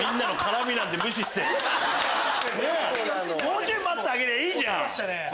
もうちょい待ってあげりゃいいじゃん！